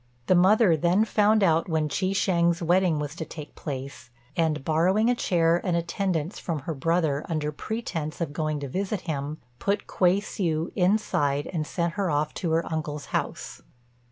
The mother then found out when Chi shêng's wedding was to take place; and, borrowing a chair and attendants from her brother under pretence of going to visit him, put Kuei hsiu inside and sent her off to her uncle's house.